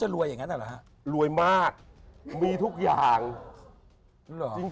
รวยมากมีทุกอย่าง